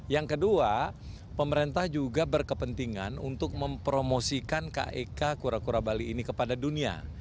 yang kedua pemerintah juga berkepentingan untuk mempromosikan kek kura kura bali ini kepada dunia